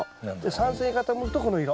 酸性に傾くとこの色。